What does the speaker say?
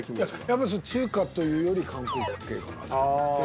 やっぱり中華というより韓国系かなと思って。